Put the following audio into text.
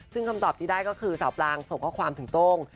ซึ่งคำตอบที่ได้ก็คือสาวปลางส่งข้อความถึงโต้ง